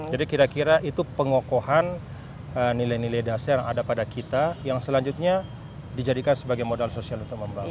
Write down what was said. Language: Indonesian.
jadi kira kira itu pengokohan nilai nilai dasar yang ada pada kita yang selanjutnya dijadikan sebagai modal sosial untuk membangun